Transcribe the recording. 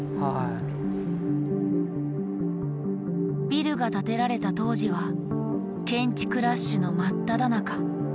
ビルが建てられた当時は建築ラッシュのまっただ中。